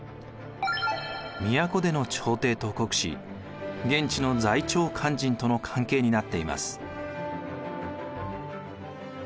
都での朝廷と国司現地の在庁官人との関係になっています。